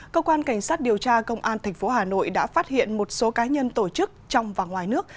cơ quan cảnh sát điều tra công an tp hà nội đã phát hiện một số cá nhân tổ chức trong và ngoài nước